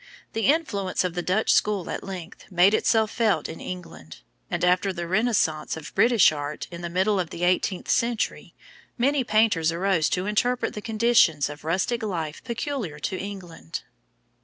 The influence of the Dutch school at length made itself felt in England; and after the renaissance of British art, in the middle of the eighteenth century, many painters arose to interpret the conditions of rustic life peculiar to England.